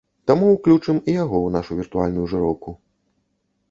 Таму ўключым і яго ў нашу віртуальную жыроўку.